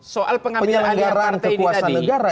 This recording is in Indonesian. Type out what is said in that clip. soal pengambilan kekuasaan negara